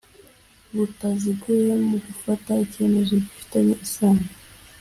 butaziguye mu gufata icyemezo gifitanye isano